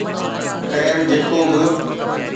خير جيڪو به